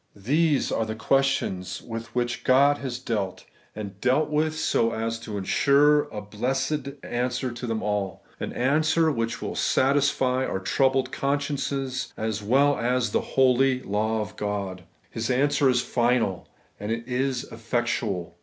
These are the questions with which God has dealt, and dealt with so as to ensure a blessed answer to them all ; an answer which will satisfy our own troubled consciences as well as the holy law of God. His answer is finM, and it is effectual.